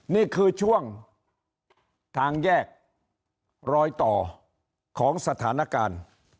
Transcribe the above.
นี่คือช่วงทางแยกรอยต่อของสถานการณ์